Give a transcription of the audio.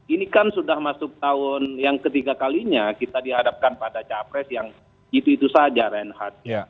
ini kan sudah masuk tahun yang ketiga kalinya kita dihadapkan pada capres yang gitu itu saja renhat